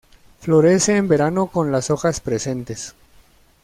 Florece en verano con las hojas presentes.